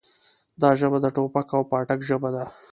دا ژبه د ټوپک او پاټک ژبه ده.